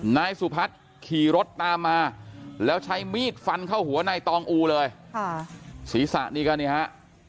นายสุพัฒน์ขี่รถตามมาแล้วใช้มีดฟันเข้าหัวนายตองอูเลยค่ะศีรษะนี่ก็นี่ฮะ